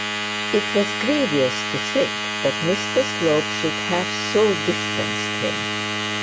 It was grievous to think that Mr Slope should have so distanced him.